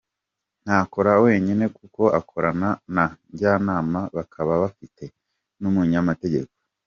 Ntakora wenyine kuko akorana na Njyanama bakaba bafite n’umunyamategeko.